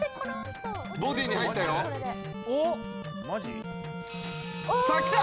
ボディーに入ったよさあきた！